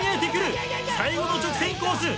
最後の直線コース